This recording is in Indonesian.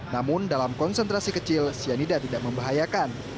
namun dalam konsentrasi kecil sianida tidak membahayakan